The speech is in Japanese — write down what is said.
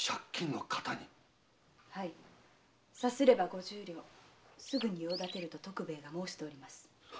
さすれば五十両すぐにも用立てると徳兵衛が申しております。